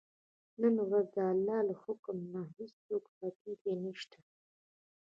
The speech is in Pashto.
نن ورځ د الله له حکم نه هېڅوک ساتونکی نه شته.